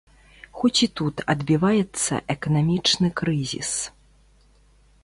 Хоць і тут адбіваецца эканамічны крызіс.